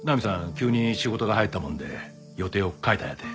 急に仕事が入ったもんで予定を変えたんやて。